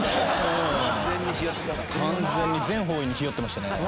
完全に全方位に日和ってましたね。